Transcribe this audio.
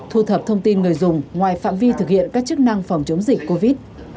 thu thập thông tin người dùng ngoài phạm vi thực hiện các chức năng phòng chống dịch covid